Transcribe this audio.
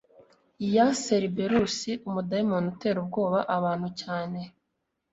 ya Cerberus umudayimoni utera ubwoba abantu cyane